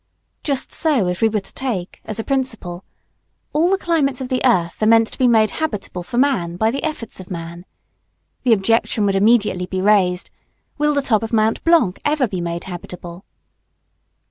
Just so if we were to take, as a principle all the climates of the earth are meant to be made habitable for man, by the efforts of man the objection would be immediately raised, Will the top of Mount Blanc ever be made habitable?